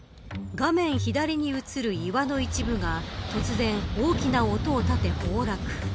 画面左に映る岩の一部が突然大きな音を立て崩落。